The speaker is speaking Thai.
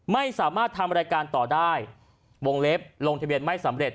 ไม่สามารถทำรายการต่อได้วงเล็บลงทะเบียนไม่สำเร็จ